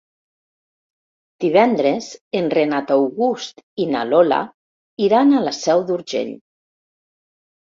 Divendres en Renat August i na Lola iran a la Seu d'Urgell.